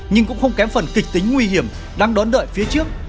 nhưng cũng không kém phần kịch tính nguy hiểm đang đón đợi phía trước